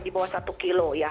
di bawah satu kilo ya